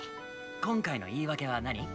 今回の言い訳は何？